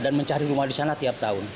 dan mencari rumah di sana tiap tahun